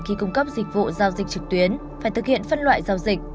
khi cung cấp dịch vụ giao dịch trực tuyến phải thực hiện phân loại giao dịch